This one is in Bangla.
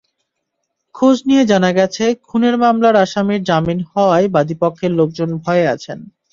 খোঁজ নিয়ে জানা গেছে, খুনের মামলার আসামির জামিন হওয়ায় বাদীপক্ষের লোকজন ভয়ে আছেন।